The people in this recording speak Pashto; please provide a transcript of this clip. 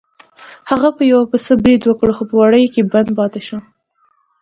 هغه په یو پسه برید وکړ خو په وړیو کې بند شو.